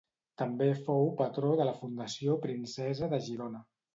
També fou patró de la Fundació Princesa de Girona.